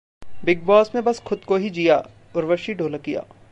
'big Boss' में बस खुद को ही जिया: उर्वशी ढोलकिया